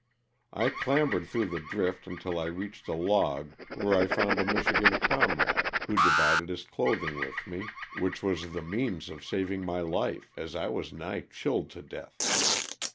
I clambered through the drift until I reached a log where I found a Michi gan comrade who divided his clothing with me, which 198 LOSS OF THE SULTAI^A. was the means of saving my life as I was nigh chilled to death.